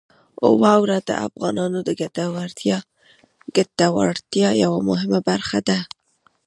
واوره د افغانانو د ګټورتیا یوه مهمه برخه ده.